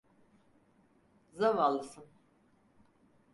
Zavallısın.